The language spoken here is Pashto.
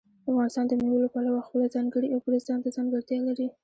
افغانستان د مېوو له پلوه خپله ځانګړې او پوره ځانته ځانګړتیا لري.